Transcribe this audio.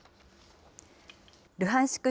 ルハンシク